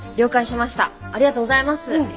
ありがとうございます。